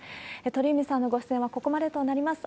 鳥海さんのご出演はここまでとなります。